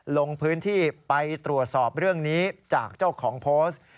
ลงพื้นที่ไปตรวจสอบเรื่องนี้จากเจ้าของโพสต์